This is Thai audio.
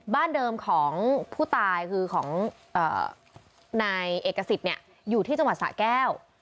บ้านเดิมของผู้ตายคือของนายเอกสิทธิ์อยู่ที่จังหวัดสะแก้ว